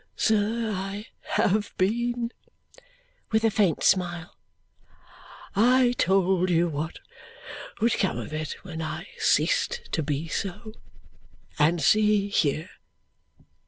"Sir, I have been," with a faint smile. "I told you what would come of it when I ceased to be so, and see here!